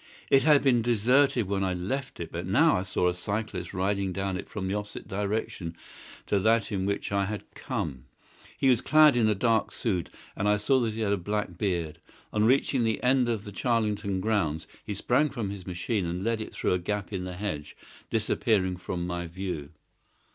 It had been deserted when I left it, but now I saw a cyclist riding down it from the opposite direction to that in which I had come. He was clad in a dark suit, and I saw that he had a black beard. On reaching the end of the Charlington grounds he sprang from his machine and led it through a gap in the hedge, disappearing from my view.